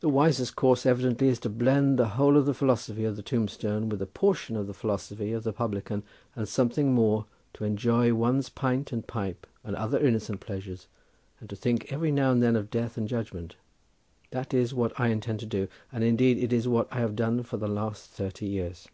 The wisest course evidently is to blend the whole of the philosophy of the tombstone with a portion of the philosophy of the publican and something more, to enjoy one's pint and pipe and other innocent pleasures, and to think every now and then of death and judgment—that is what I intend to do, and indeed is what I have done for the last thirty years."